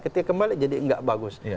ketika kembali jadi nggak bagus